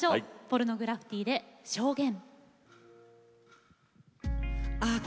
ポルノグラフィティで「証言」。